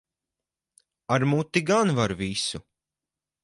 Ar muti gan var visu.